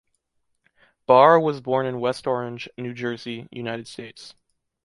Barres was born in West Orange, New Jersey, United States.